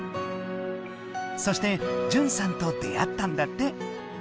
そして淳さんと出会ったんだって。